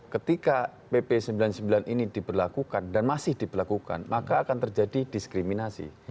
ketika pp sembilan puluh sembilan ini diberlakukan dan masih diberlakukan maka akan terjadi diskriminasi